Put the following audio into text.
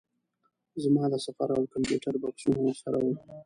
زما د سفر او کمپیوټر بکسونه ورسره وو.